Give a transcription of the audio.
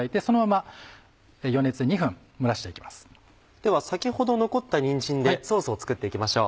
では先ほど残ったにんじんでソースを作っていきましょう。